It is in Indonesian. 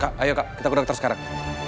kak ayo kita ke dokter sekarang